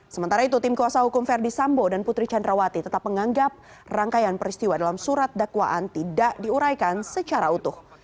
sementara itu tim kuasa hukum verdi sambo dan putri candrawati tetap menganggap rangkaian peristiwa dalam surat dakwaan tidak diuraikan secara utuh